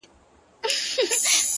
لكه ملا’